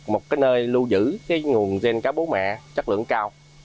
một nơi lưu giữ nguồn gen cá bố mẹ chất lượng cao